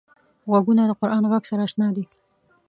غوږونه د قران غږ سره اشنا دي